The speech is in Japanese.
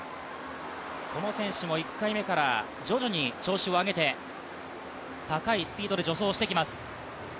この選手も１回目から徐々に調子を上げて高いスピードで助走してきます。